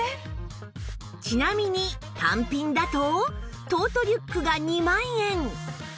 ちなみに単品だとトートリュックが２万円